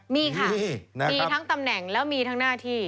มีค่ะมีทั้งตำแหน่งแล้วมีทั้งหน้าที่